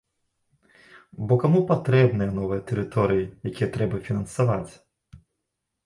Бо каму патрэбныя новыя тэрыторыі, якія трэба фінансаваць?